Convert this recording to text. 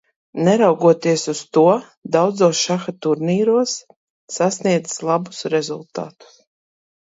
Neraugoties uz to, daudzos šaha turnīros sasniedzis labus rezultātus.